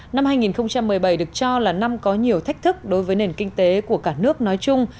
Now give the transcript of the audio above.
năm hai nghìn một mươi bảy được cho là năm có nhiều thách thức đối với nền kinh tế của cả nước nói chung